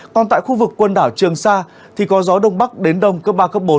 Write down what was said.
còn tại khu vực quần đảo trường sa thì có gió đông bắc đến đông cấp ba cấp bốn